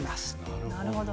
なるほど。